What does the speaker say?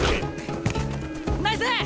ナイス！